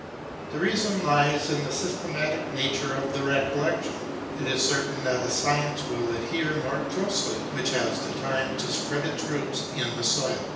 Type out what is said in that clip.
The reason lies in the systematic nature of the recollection ; it is certain that a science will adhere more closely which has had time to spread its roots in the soil.